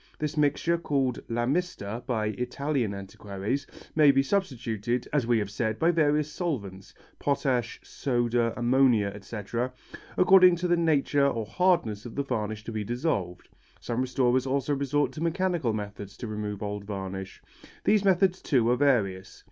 This mixture, called la mista by Italian antiquaries, may be substituted, as we have said, by various solvents potash, soda, ammonia, etc. according to the nature or hardness of the varnish to be dissolved. Some restorers also resort to mechanical methods to remove old varnish. These methods, too, are various.